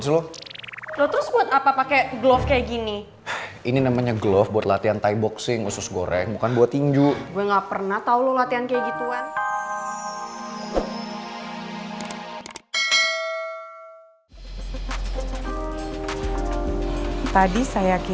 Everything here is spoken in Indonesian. sampai jumpa di video selanjutnya